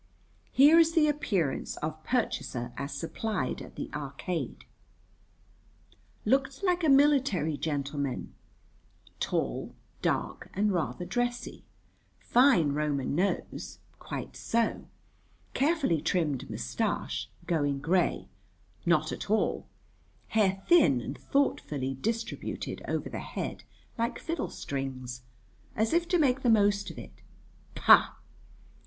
Here is the appearance of purchaser as supplied at the Arcade: looked like a military gentleman; tall, dark, and rather dressy; fine Roman nose (quite so), carefully trimmed moustache going grey (not at all); hair thin and thoughtfully distributed over the head like fiddlestrings, as if to make the most of it (pah!)